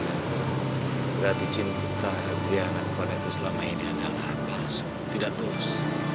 berarti cinta adriana pada selama ini adalah palsu tidak tulus